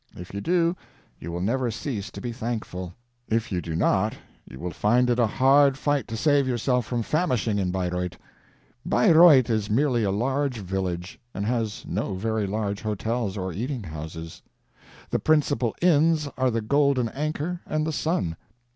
If you do, you will never cease to be thankful. If you do not, you will find it a hard fight to save yourself from famishing in Bayreuth. Bayreuth is merely a large village, and has no very large hotels or eating houses. The principal inns are the Golden Anchor and the Sun.